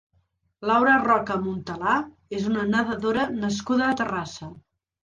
Laura Roca Montalà és una nedadora nascuda a Terrassa.